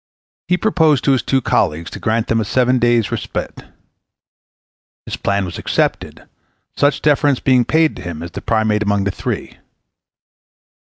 He proposed to his two colleagues to grant them a seven days' respite. His plan was accepted, such deference being paid him as the primate among the three.